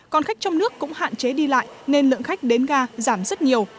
còn khách trong nước cũng hạn chế đi lại nên lượng khách đến ga giảm rất nhiều